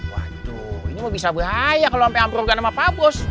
waduh ini mah bisa bahaya kalo sampe ampur dengan pabos